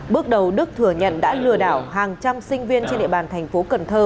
bước đầu đức thừa nhận đã lừa đảo hàng trăm sinh viên trên địa bàn thành phố cần thơ